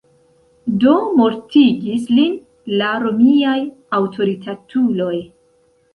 Do mortigis lin la romiaj aŭtoritatuloj.